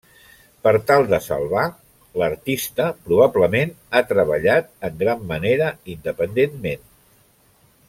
Per tal de salvar, l'artista probablement ha treballat en gran manera independentment.